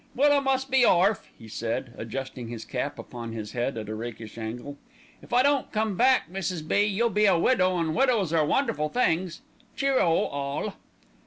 "Well, I must be orf," he said, adjusting his cap upon his head at a rakish angle. "If I don't come back, Mrs. B., you'll be a widow, an' widows are wonderful things. Cheer o! all."